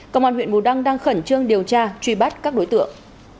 công an huyện bù đăng đang khẩn trương điều tra truy bắt các đối tượng